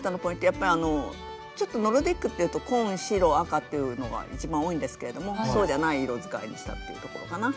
やっぱりちょっとノルディックっていうと紺白赤っていうのが一番多いんですけれどもそうじゃない色使いにしたっていうところかな。